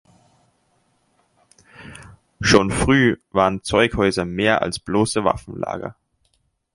Schon früh waren Zeughäuser mehr als bloße Waffenlager.